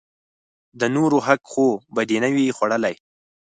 د نورو حق خو به دې نه وي خوړلئ!